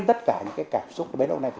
tất cả những cái cảm xúc bế động này